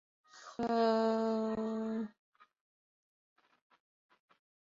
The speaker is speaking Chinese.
拉贡公路可以直达该寺。